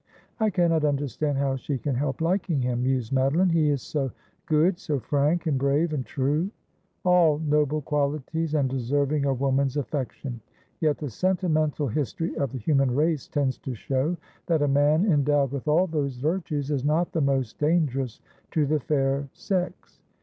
' I cannot understand how she can help liking him,' mused Madoline. ' He is so good, so frank, and brave, and true.' 'AH noble qualities, and deserving a woman's afiEection. Yet the sentimental history of the human race tends to show that a man endowed with all those virtues is not the most dangerous to the fair sex.